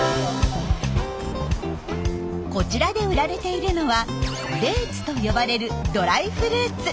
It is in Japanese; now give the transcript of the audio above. こちらで売られているのはデーツと呼ばれるドライフルーツ。